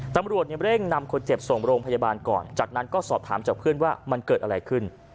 ตำรวจเร่งนำคนเจ็บส่งโรงพยาบาลก่อนจากนั้นก็สอบถามจากเพื่อนว่ามันเกิดอะไรขึ้น